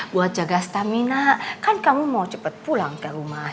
buat jaga stamina kan kamu mau cepat pulang ke rumah